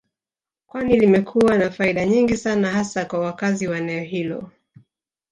Kwani limekuwa na faida nyingi sana hasa kwa wakazi wa eneo hilo